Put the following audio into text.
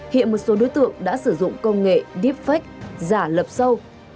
hiện một số đối tượng đã sử dụng công nghệ deepfake giả lập sâu